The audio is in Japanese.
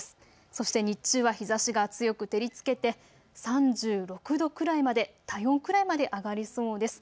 そして日中は日ざしが強く照りつけて３６度くらいまで体温くらいまで上がりそうです。